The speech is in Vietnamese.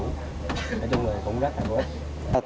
nói chung là cũng rất là ổn định